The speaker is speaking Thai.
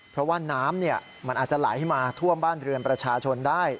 เพราะว่าน้ำมันอาจจะไหลมาท่วมบ้านเรือนประชาชนได้